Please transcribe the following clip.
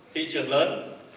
thị trường lớn